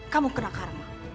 kamu kena karma